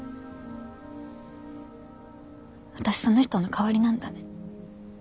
私その人の代わりなんだね。